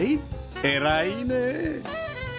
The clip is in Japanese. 偉いねえ